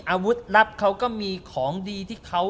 อาวุธรับเขาก็มีของดี